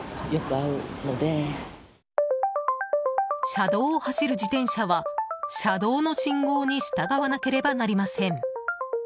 車道を走る自転車は車道の信号に従わなければなりません。